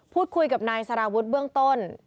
พูดคุยกับนายสารวุฒิเบื้องต้น